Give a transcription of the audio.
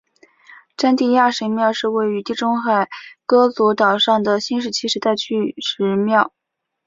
詹蒂亚神庙是位于地中海戈佐岛上的新石器时代巨石庙。